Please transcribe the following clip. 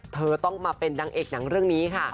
เธอต้องมาเป็นนางเอกหนังเรื่องนี้ค่ะ